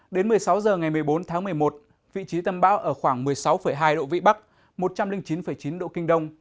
đến một mươi sáu h ngày một mươi bốn tháng một mươi một vị trí tâm bão ở khoảng một mươi sáu hai độ vĩ bắc một trăm linh chín chín độ kinh đông